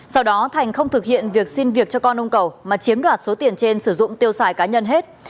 sau đó thành không thực hiện việc xin việc cho con ông cầu mà chiếm đoạt số tiền trên sử dụng tiêu xài cá nhân hết